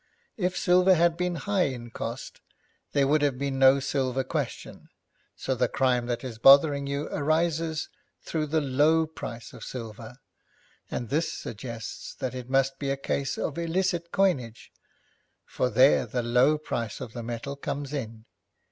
If silver had been high in cost, there would have been no silver question. So the crime that is bothering you arises through the low price of silver, and this suggests that it must be a case of illicit coinage, for there the low price of the metal comes in.